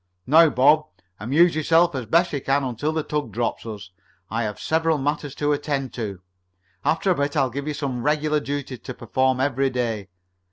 Now, Bob, amuse yourself as best you can until the tug drops us. I have several matters to attend to. After a bit I'll give you some regular duties to perform every day.